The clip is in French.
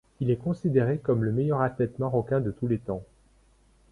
Il est considéré comme le meilleur athlète marocain de tous les temps.